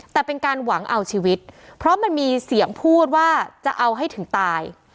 แต่เป็นการหวังเอาชีวิตเพราะมันมีเสียงพูดว่าจะเอาให้ถึงตาย